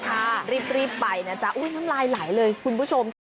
รีบไปนะจ๊ะอุ้ยน้ำลายไหลเลยคุณผู้ชม